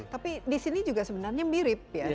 tapi di sini juga sebenarnya mirip ya